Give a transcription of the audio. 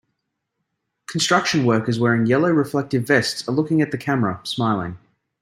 construction workers wearing yellow reflective vests are looking at the camera, smiling.